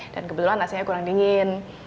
dan kebetulan nasinya kurang dingin